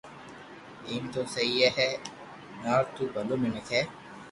ايم تو سھي ھي يار تو ٻلو منيک ھي